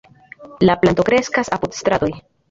La planto kreskas apud stratoj.